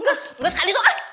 ga sekali tuh ah